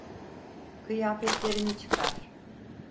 Kıyafetlerini çıkar.